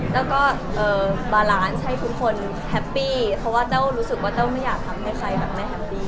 แล้วก็บาลานซ์ให้ทุกคนแฮปปี้เพราะว่าแต้วรู้สึกว่าแต้วไม่อยากทำให้ใครแบบไม่แฮปปี้